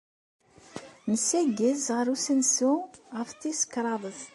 Nessaggez deg usensu ɣef tis kraḍt.